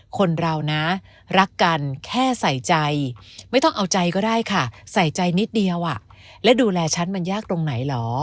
คนเรานะรักกันแค่ใส่ใจไม่ต้องเอาใจก็ได้ค่ะใส่ใจนิดเดียวและดูแลฉันมันยากตรงไหนเหรอ